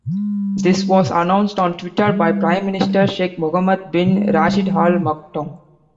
This was announced on Twitter by Prime Minister Sheikh Mohammed bin Rashid Al Maktoum.